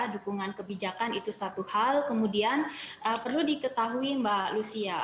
dukungan kebijakan itu satu hal kemudian perlu diketahui mbak lucia